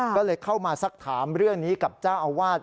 ก็เลยเข้ามาสักถามเรื่องนี้กับเจ้าอาวาส